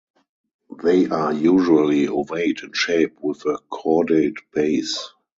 They are usually ovate in shape with a cordate base.